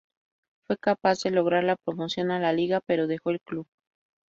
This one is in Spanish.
Fue capaz de lograr la promoción a la Liga, pero dejó el club.